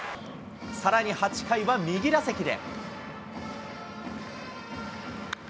さらに８回は右打席で。